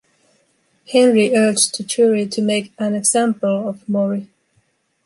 Henry urged the jury to make an example of Maury.